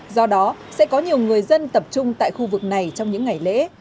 do đó sẽ có nhiều người dân tập trung tại khu vực này trong những ngày lễ